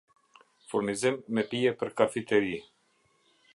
Furnizim me pije per kafiteri